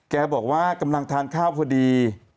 แกบอกว่ากำลังทานข้าวพอดี